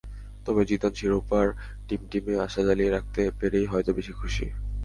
তবে জিদান শিরোপার টিমটিমে আশা জ্বালিয়ে রাখতে পেরেই হয়তো বেশি খুশি।